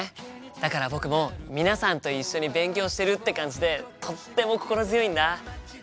だから僕も皆さんと一緒に勉強してるって感じでとっても心強いんだ。